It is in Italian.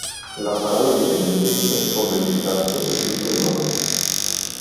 La paralisi delle zecche può verificarsi in tutto il mondo.